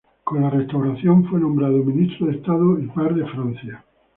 Con la Restauración, fue nombrado ministro de Estado y par de Francia.